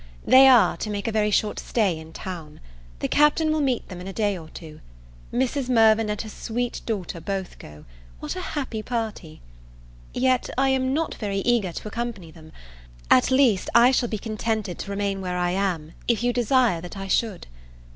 They are to make a very short stay in town. The Captain will meet them in a day or two. Mrs. Mirvan and her sweet daughter both go; what a happy party! Yet, I am not very eager to accompany them: at least I shall be contented to remain where I am, if you desire that I should.